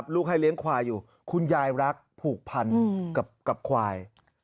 ลูกให้เลี้ยงควายอยู่คุณยายรักผูกพันกับควาย